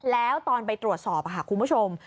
แล้วตอนไปตรวจสอบค่ะคุณผู้ชม